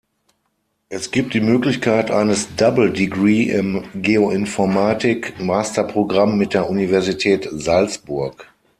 Es gibt die Möglichkeit eines Double-Degree im Geoinformatik-Masterprogramm mit der Universität Salzburg.